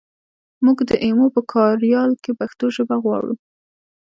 مونږ د ایمو په کاریال کې پښتو ژبه غواړو